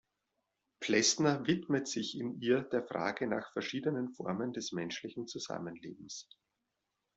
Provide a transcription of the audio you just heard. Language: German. Plessner widmet sich in ihr der Frage nach verschiedenen Formen des menschlichen Zusammenlebens.